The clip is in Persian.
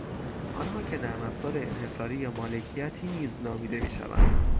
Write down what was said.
آنها که نرمافزار انحصاری یا مالکیتی نیز نامیده میشوند